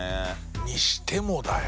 にしてもだよ。